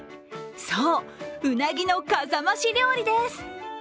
そう、うなぎのかさ増し料理です。